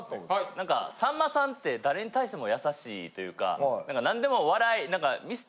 何かさんまさんって誰に対しても優しいというか何でも笑い。